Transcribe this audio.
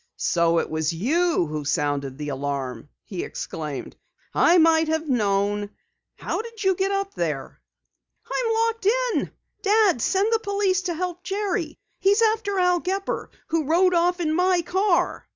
"So it was you who sounded the alarm!" he exclaimed. "I might have known! How did you get up there?" "I'm locked in. Dad, send the police to help Jerry. He's after Al Gepper who rode off in my car."